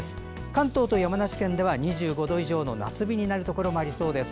関東と山梨県では２５度以上の夏日になるところもありそうです。